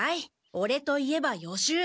オレといえば予習。